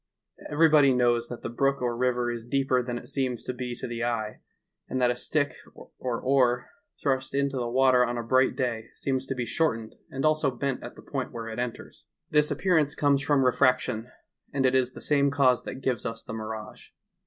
Every boy knOws that the brook or river is deeper than it seems to be to the eye, and that a stick or oar thrust into the water on a bright day seems to be shortened and also bent at the point where it enters. This BETRAYED BY A MIRAGE. 173 appearance comes from refraction, and it is the same cause that gives us the mirage.